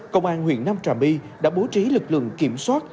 công an huyện nam trà my đã bố trí lực lượng kiểm soát